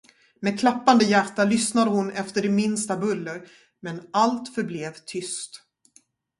Med klappande hjärta lyssnade hon efter det minsta buller, men allt förblev tyst.